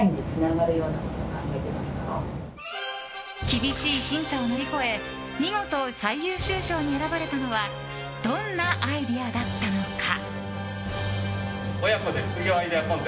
厳しい審査を乗り越え見事、最優秀賞に選ばれたのはどんなアイデアだったのか。